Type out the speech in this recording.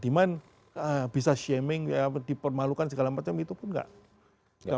demand bisa shaming dipermalukan segala macam itu pun nggak